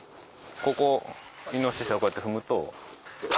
ここをイノシシがこうやって踏むと。